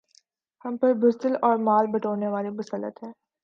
ہم پر بزدل اور مال بٹورنے والے مسلط ہیں